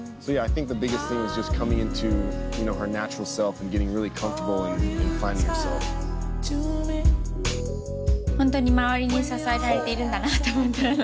ホントに周りに支えられているんだなと思った。